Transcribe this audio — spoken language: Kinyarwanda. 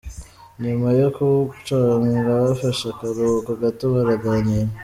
Nyuma yo kuwuconga bafashe akaruhuko gato baraganira.